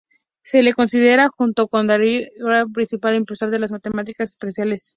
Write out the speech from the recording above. Se le considera, junto con David H. Bailey, el principal impulsor de las matemática experimentales.